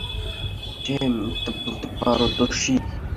সে মিথ্যা বলতে পারদর্শী।